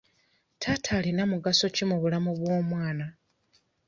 Taata alina mugaso ki mu bulamu bw'omwana?